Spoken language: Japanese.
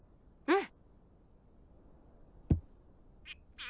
うん。